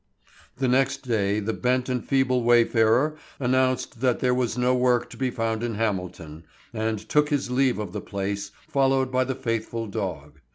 The next day the bent and feeble wayfarer announced that there was no work to be found in Hamilton, and took his leave of the place, followed by the faithful dog.